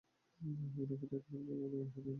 উনাকে dead man বলো না, রেহানের ডেড ম্যান ভালো লাগে।